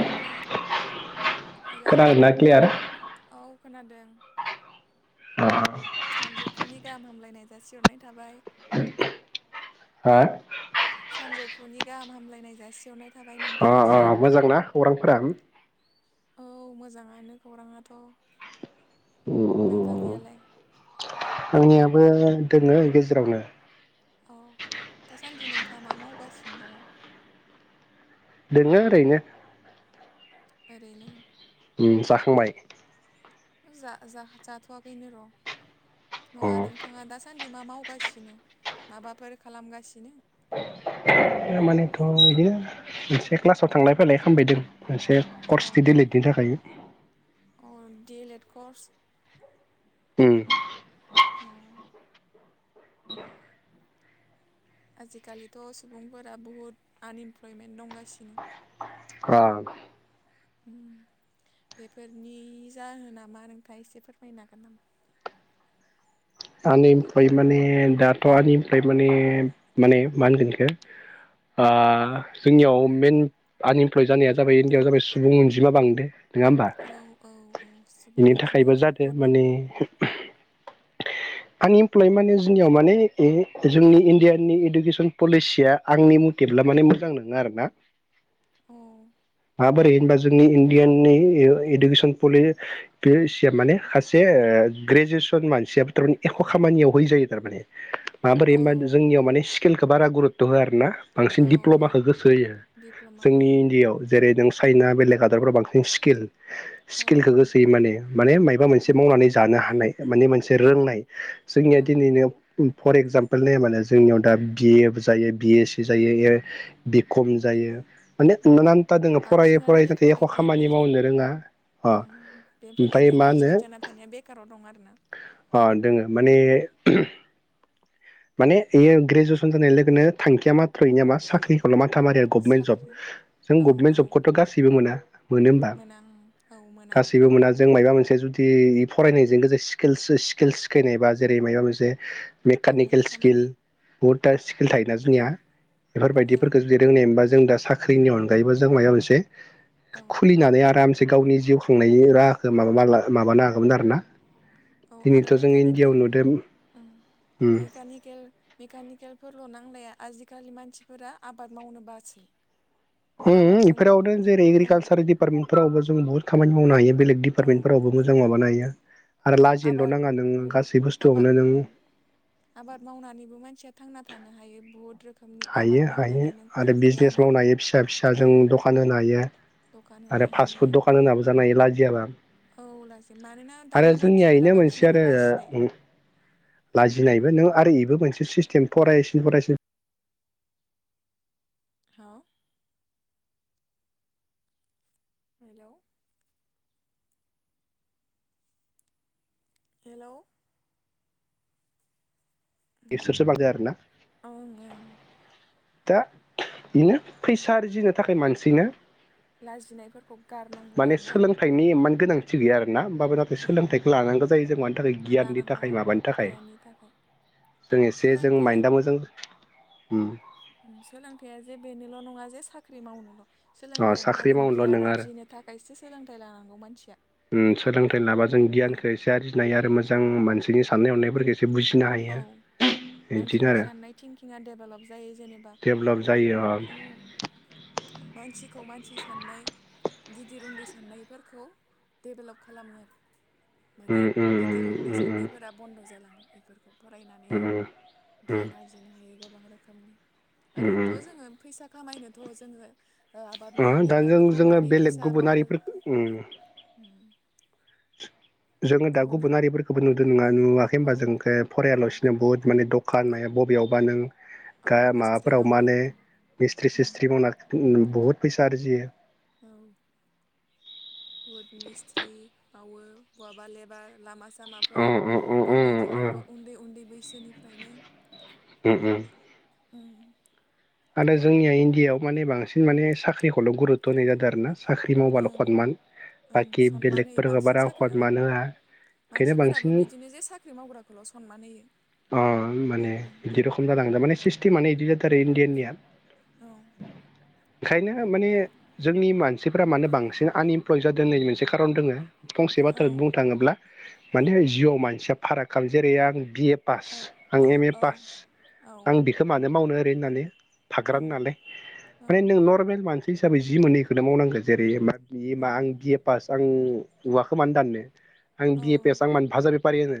नोंथां हेल' खोनादोंना क्लियार औ खोनादों सानजौफुनि गाहाम हामलायनाय जासिहरनाय थाबाय। हा अ सानजौफुनि गाहामहामलायनाय जासिहरनाय थाबाय अ अ नोंथांनिसिम मोजांना खौरांफोरा? औ मोजाङानो खौराङाथ'। उम उम नोंथांनियालाय? आंनियाबो दङो गेजेरावनो। औ दासान्दि नोंथाङा मा मावगासिनो दङ? दोङो ओरैनो। ओरैनो। जाखांबाय? जा जा जाथ'वाखैनो र' नङा अ नोंथाङा दास दासान्दि मा मावगासिनो माबाफोर खालामगासिनो? मानेथ' बिदिनो मोनसे क्लासाव थांलाय फैलाय खालामबायदों। मोनसे अ कर्सनि दिलेतनि थाखाय। अ दिलेत कर्स। उ अ औ [inaudible] आजिखालिथ' सुबुंफोरा बुहुद आनइमप्लयमेन्ट दंगासिनो। औ बेफोरनि जाहोनामा नोंथाङा एसे फोरमायनो हागोन नामा? [inaudible] आनइमप्लय माने दाथ' आनइमप्लय माने माने मा होनगोन यखो? ओ जोंनियाव मेन आनइमप्लयड जानाया जाबाय इण्डियआव जाबाय सुबुं अनजिमा बांदो। नङा होमबा औ औ औ सुबुं बेनि थाखायबो अनजिमायाथ' जादो बहुद बांदो। आनइमप्लय माने जोंनियाव माने जोंनि इण्डियानि इडुकेसन पलिसिया आंनि मथे। ब्ला माने मोजां नोङा आरोना औ माबोरै होनबा जों नि इण्डियानि इडुकेसन पलि बे माने सासे ग्रेजुवेस मानसियो [unintelligible] एख' खामानियाव होयि जायो थारमाने माबाबोरै औ होमबा जोंनियाव माने स्किलखौ बारा गुरुत्थ' होआ आर ना। बांसिन औ औ दिप्ल'माखौ गोसो होयो दिप्ल'मा औ जोंनि इण्डियआव जेरै दों चाइना बेलेग हादराव बांसिन स्किल औ स्किलखौ गोसो होयो माने माने मायबा मोनसे औ मावनानै जानो हानाय माने मोनसे औ रोंनाय। जोंनिया दिनैनो फर एगजामपोल नाया मानोे जोंनियाव दा बिए बो जायो बिएस सि जायो। बियो बिखम जायो। माने औ [unintelligible] न्था जोङो फरायै बांसिनानो फरायै नाथाय एख' बेफोरबायदिया खामानि ग्रेजुवेट मावनो रोङा। अ ओमफ्राय बेफोरबायदिया मा होनो ग्रेजुवेट जाना थानाया बेखाराव दं आरो ना। अ दोङो माने माने इयो ग्रेजुवेसन जानाय लोगोनो थांखिया माथ्र' इनिया मा साख्रिखौल' माथ माथामारिया गभमेन्ट जब साख्रि जों औ गभमेन्ट औ जबखौथ' गासैबो मोना। मोनो होमबा? मोना उम औ मोना गासिबो मोना जों मायबा मोनसे जुदि इ फरायनायजों लोगो स्किलसो स्किल सिकेनेबा जेरै माबा मोनसे मेकानिक आखाइनि खामानि। बुहुत दा स्किल थायोना औ जोंनिया औ बेफोरबायदिफोरखौ जुदि रोंनाय मोनबा जों दा साख्रिनि अनगायैबो जों मायबा मोनसे औ खुलिनानै आराम से गावनि जिउ खुंनायनि राहाखौ मा बा मा माबानो हागौमोन आरो ना औ आरो मेकेनिल ओ मेकानिक [unintelligible] मेकानिकेलफोरल' नांलाया आजिखालि मानसिफोरा आबाद मावनो बासै। उम आबादजोंबो इफोरावनो जेरै ओं एग्रिकालसार दिडिपार्टमेन्टफोरावबो जों बुहुत खामानि मावनो हायो। बेलेग औ दिपार्मेटफोरावबो मोजां माबानो हायो। आरो औ लाजिनोल' आबाद नाङा नों उम गासै आबा बुस्थुआवनो नों उम आबाद मावनानैबो मानसिया थांना थानो हायो बुहुद रोखोमनि आबाद हायो हायो मावनानै नों आरो बे बिजनेस मावनो आबादखौ हायो फिसा फिसा औ जों दखान होनो हायो। दखान होनो आरो हायो फास्फुद दखान होनाबो जानाय हायो लाजि औ लाजि मानोना आरो दानि जोंनिया इनो मानसिफोरा मोनसे बांसिनानो लाजिनाय आरो लाजिनायबो नों आरो इबो मोनसे सिस्टेम फरायसिन फरायसिन औ। Hello hello. एसोर [unintelligible] ओं ओं दा बेनो फैसा आरजिनो थाखाय मानसिनो लाजिनायफोरखौ गारनांगौ माने आरोना। सोलोंथाइनि इमान गोनांथि गैया आरो ना। होमबाबो नाथाय ओं सोलोंथाइखौ लानांगौ जायो जों मानि थाखाय गियाननि लानांगौ औ थाखाय माबानि थाखाय। गियाननि थाखाय जों एसे जों सोलोंथाइया माइन्दा मोजां उम। सोलोंथाइया जे बेनोल' नङा जे साख्रि मावनोल' सोलोंथाइयानो साख्रि जादों मावनोल' गियान नङा आरो आरजिनो थाखायसो सोलोंथाइ लानांगौ मानसिया। ओम सोलोंथाइ लाबा जों गियानखौ ओं एसे आरजिनाय आरो मोजां मानसिनि साननाय हनायफोरखौ जे बुजिनो औ हायो। बिदिनो मानसिनि आरो साननाय थिंकिङा डेभेलप जायो जेनेबा डेभलप जायो अ उम मानसिखौ मानसि साननाय गिदिर उन्दै साननायफोरखौ डेभेलप खालामो। माने उम गिदिर उम उन्दै उम उम साननायफोरा बन्द' जालाङो। बेफोरखौ फरायनानै उम उम गियान आरजिनो हायो गोबां रोखोमनि। उम उम ओरैनोथ' जोङो फैसा खामायनोथ' जोङो ओ आबाद ओ दा मावनानैबाबो जों-जोङो फाननानै बेलेग फैसा मावनो गुबुनारिफोरखौ उम। उम जोङो दा गुबुन गुबुनारिफोरखौबो नुदों नुवाखै औ होमबा जोंखौ औ फरायाल'सिनो बुहुत माने दखान मा बबेयावबा नों औ गा मिस्थ्रि माबाफोराव मावो माने मिस्थ्रि उम, सिस्थ्रि मावनानै बुहुद फैसा आरजियो। औ बुहुद मिस्थ्रि मावो बहाबा लेबार लामा अ सामाफोराव अ अ बेफोर बायदि अ अ मावो उन्दै उन्दै बैसोनि ओंखायनो उम उम। उम। आरो जोंनिया इण्डियाआव माने बांसिन माने साख्रिखौल' गुरुतथ' होनाय जादों आरो ना। साख्रि मावबाल ओं हतमान ओं बाखि सनमान होयो बेलेगफोरखौ बांसिन बारा साख्रि ओं हतमान होआ। बेखायनो बांसिन मानसिफोराबो बिदिनो जे साख्रि मावग्राखौल' सतमान होयो। अ माने उम बिदि रखम जालांदों माने सिस्टेमानो इदि जाथारो इण्डियाननिया। औ। ओंखायनो माने जोंनि मानसिफोरा मानो बांसिन आनइमप्लय जादों होननायनायनि मोनसे खारन दोङो। गंसे औ बाथ्रा बुंनो थाङोब्ला माने जिउआव मानसिया फाराग खालाम जेरै आं बि-ए पास औ आं औ एम-ए पास औ आं बेखौ मानो मावनो ओरै होननानै थाग्रान नालाय ओमफ्राय ओं नों नरमेल मानसि हिसाबै जि मोनो इखौनो मावनांगौ जेरै एबा बियो मा ओं आं बि-ए पास आं औवाखौ मानो दाननो आं औ बि-ए पास आं मानो बाजार बेफारि होनो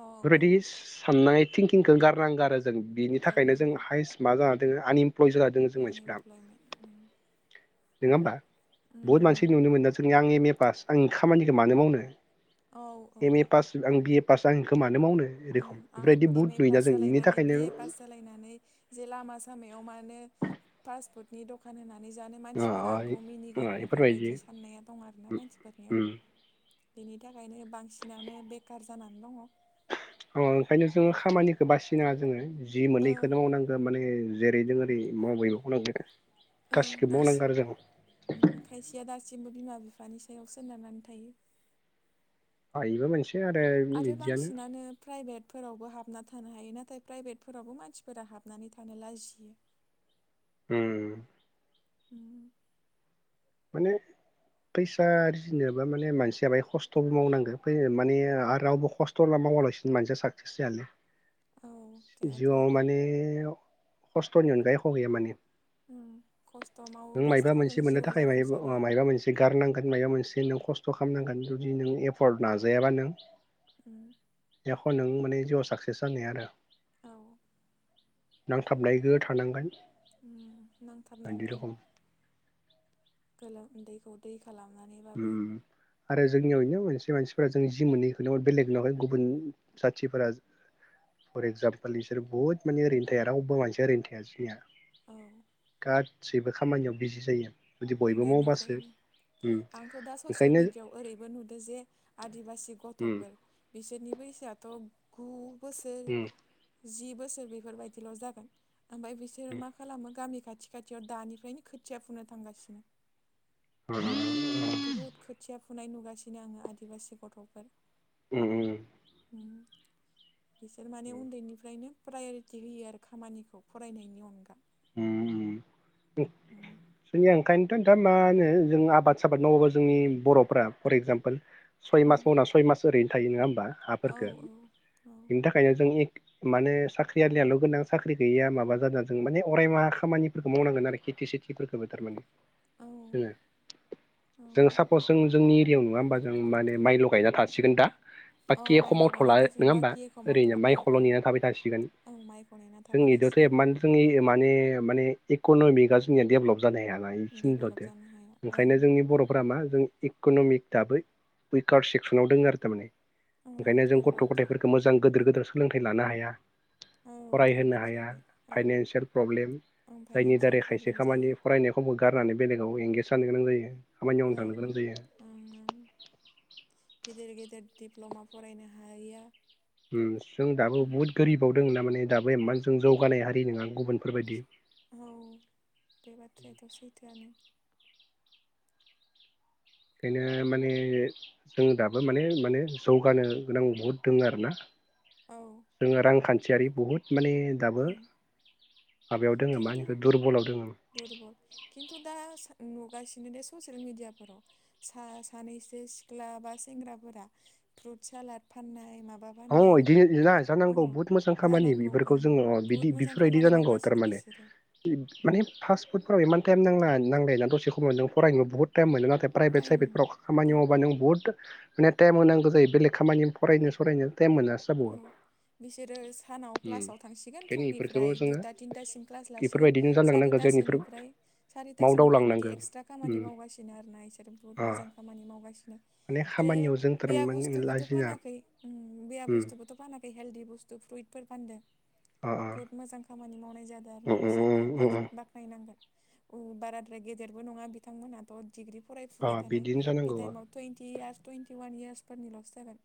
औ औ साननाय थिंकिंखौ गारनांगौ आरो। जों बिनि थाखायनो जों गारनांगौ हाइस्ट मा जानानै दङ आनइमप्लय। प्लय जाना दोङो जों मानसिफ्रा आनइमप्लयमेन्ट उम नङा होमबा उम बुहुद उम मानसि नुनो मोनो जोंनि आं एम-ए पास आंनि खामानिखौ मानो मावनो औ एम-ए औ पास आं बिए-पास आं इखौ मानो मावनो ओं रखम आं बेफोरबायदि एम-ए बुहुत नुयोना पास जों बेनि जालायनानै थाखायनो बि-ए पास जालायनानै जे लामा सामायाव याव माने फासपुटनि दखान होनानै नै जानो अ मानसिफोरा अ आंखौ मिनिगोन बेफोरबायदि साननाया दं आरोना मानसिफोरनियाव उम बेनि थाखायनो बांसिनानो बेखार जानानै दङ। आं ओंखायनो जोङो खामानिखौ बासिनाङा जोङो जि मोनो इखौनो मावनांगौ माने जेरै दं एरै [unintelligible] ओं दासिम खायसेया दासिमबो बिमा बिफा बिफानि सायाव सोनारनानै थायो। इबो मोनसे आरो आरो बिदियानो बांसिनानो प्राइभेटफोरावबो हाब ना थानो हायो नाथाय प्राइभेटफोरावबो मानसिफोरा हाबनानै थानो लाजियो। उम। अ माने फैसा आरजिनोबा माने मानसिया बाय खस्थ'बो मावनांगो माने रावबो खस्थ' लाम मावा लासिनो मानसिया साकसेस जायालै। औ जायाथ' जिउआव आरो माने खस्थ'नि अनगायै एख' गैया माने उ खस्थ' नों मायबा मावोबासो मोनसे नों मोननो जिउआव जाफुंसारो आरो मायबा मोनसे गारनांगोन मायबा मोनसे नों खस्थ' थ' खालामनांगोन जुदि नों एफर्ड नाजायाबा नों उ एख नों माने जिउआव साकसेस जानो हाया आरो औ। नांथाबनायगो थानांगोन। बायदि नांथाबनांगोन। रखम गोलोमन्दैखौ दै खालामनानैबाबो उम आरो जोंनियाव इनो खायसे मानसिफोरा जों जि मोननो इखौनो बेलेक लाबाय गुबुन जाथिफोरा फर एक्जामपोल बिसोर बुहुत माने ओरैनो थाया रावबो मानसिया ओरैनो थाया जोंनिया औ। गासैबो खामानियाव बिजि जायो जुदि बयबो मावबासो उन्दैनिफ्रायनो उम। आंथ' दा ससियेल ओंखायनो मिडियाआव ओरैबो नुदों जे आदिबासि उम गथ'फोर बिसोरनि बैसोआथ' गु बोसोर उम जि बोसोर बेफोरबायदिल' जागोन। ओमफ्राय बिसोरो मा खालामो गामि खाथि खाथियाव दानिफ्रायनो खोथिया फुननो थांगासिनो। [unintelligible] बुहुद खोथिया फुनाय नुगासिनो आङो आदिबासि गथ'फोर। उम बिसोर माने उम उन्दैनिफ्रायनो प्रायरिटि होयो आरो खामानिखौ फरायनायनि अनगा उम उम उम सुनिया ओंखायनो खोनथानानो जों आबाद साबाद मावोबा जोंनि बर'फोरा फर एगजामपोल सय औ मास मावना सय मास ओरैनो थायो नङा हबा औ हाफोरफोरखो औ बिनि थाखायनो जों एक माने साख्रि आलियाल' गोनां साख्रि गैया माबा जादों जों माने अरायमाहा खामानिफोरखौ मावनांगोन आरो खेति सेतिफोरखौबो तारमाने औ जोङो औ जों सापस जों जोंनि एरियाव नङा होमबा जों माने माइल' गायना थासिगोन दा औ बाकि एख' माइल' गाना मावथ'ला थासिगोन नङा होमबा बाखि एख' ओरैनो मावथ'ला माइ औ खौल' औ नेनानै थाबाय थासिगोन औ माइखौ नेना थाबाय जों इदियावथ' थासिगोन एमान जोङो माने माने इक'नमिकआ जोंनिया डेभलप जा जानो हायाना इखिनिल'दो डेभेलप जानो हाया ओं ओंखायनो जोंनि बर'फोरा मा जों इक'न'मिक दाबो उइकार सेक्सनाव दङ आरो तारमाने औ ओंखायनो जों थार गथ' बाथ्रा गथायफोरखौ मोजां गोदोर गोदोर सोलोंथाइ लानो हाया। औ थार फरायहोनो बाथ्रा हाया बे औ फाइनान्सियेल प्रब्लेम ओं जायनि फाइनान्सियेल दारै खायसे प्रब्लेम जायो खामानि फरायनायखौबो गारनानै बेलेगाव एंगेज जानो गोनां जायो। खामानि मावनो ओं थांनो गोनां जायो। गिदिर गिदिर दिडप्ल'मा फरायनो हाया। उम जों दाबो बुहुत गोरिबाव दों ना माने दाबो एमान जों जौगानाय हारि नङा। गुबुनफोरबायदि औ बे बाथ्रायाथ' सैथोआनो ओंखायनो माने जों दाबो माने माने जौगानो गोनां बहुद दोङो आरोना। औ जोङो रांखान्थियारि बहुद माने दाबो माबायाव दोङो मा खिन्तु होनो दुरबलाव दोङो दुरबल खिन्तु दा नुगासिनो दे ससियेल मिडियाफोराव सा सानैसो सिख्ला बा सेंग्राफोरा फ्रुट सालाद फाननाय माबा अ फाननाय इदिनो अ जानांगौ बुहुत मोजां खामानि जानांगौ बेफोरखौ ओं जोङो बुहुद बिदि मोजां बेफोरबायदि खामानि जानांगौ मावगासिनो माने बिसोरो माने उम, फास्ट फुदफोरा एमान ता नांला नांलायाना दसे खम नों फरायनोबो बहुत टाइम मोनो नाथाय प्राइभेट टाइम होनो साइभेटफोराव खामानि औ मावबा नों बुहुत माने टाइम होनांगौ जायो बेलेग खामानियाव फरायनो सरायनो टाइम मोना औ बिसोरो सानाव क्लासाव थांसिगोन ओंखायनो इफोरखौबो फुंनिफ्राय जोङो दुता तिनतासिम क्लास लासिगोन बेफोरबायदिनो सारिता जालांनांगौ जों इफोर तासोनिफ्राय सारितासोनिफ्राय बिदि मावदावलांनांगौ एक्सट्रा कामानि उम मावगासिनो आरोना इसोर बहुत अ मोजां खामानि माव सिनो माने जे खामानियाव जों बेया थारमाने बुस्थुबोथ' लाजिना फानाखै उम बेया उम बुस्थुबोथ' फानाखै हेल्दि बुस्थु फ्रुइटफोर फानदों। अ अ बुहुत मोजां खामानि मावनाय जादो आरोना अ बिसोरनिया बास अ बाख्नायनांगोन। औ बाराद्राय गेदेरबो नङा बिथांमोनाथ' डिग्रि अ अ फरायफुबाय थानाय बिदिनो बे जानांगौ अ टाइमाव टुइन्टि इयार्स टुइन्टि वान इयार्सफोरनि लसो जागोन।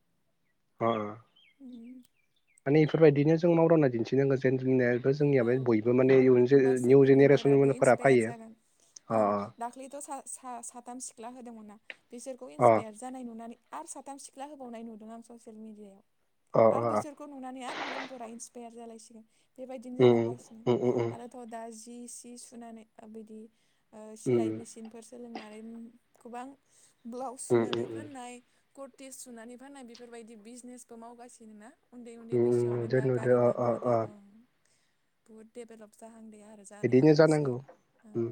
अ उम माने इफोरबायदिनो जों मावदावना दिन्थिनांगोन जेन जोंनि बो जोंनियालाय औ बयबो माने इयुन जो होमबासो निउ गुबुनफोराबो जेनेरेसनफोरा इन्सपायार फाइयो जागोन ओं दाख्लैथ सा सा' साथाम सिख्ला होदोंमोनना बिसोरखौ अ अ इन्सपायार जानाय नुनानै आरो साथाम सिख्ला होबावनाय नुदों आं ससियेल मिडियाआव। अ आरो बिसोरखौ नुनानै आरो गुबुनफोरा इन्सपायार जालायसिगोन बे बिदिनो उम जालांगा उम उम ओ उम सिलाय मेसिनफोर सोलोंनानै उम गोबां ब्लाउस उम सुनानै उम फाननाय कर्टेज सुनानै फाननाय बेफोरबायदि बिजनेसबो मावगासिनो ना उन्दै उन्दै उम बैसोआवनो नुदो दा नुदो गारि अ लानो अ हादों अ ओं बुहुत देभेलप जा इदिनो जानांगौ ओं उम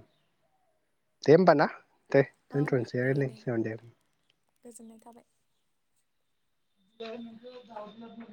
दे होमबा ना दे औ दे दे दोनथ'सै गोजोननाय थाबाय [inaudible]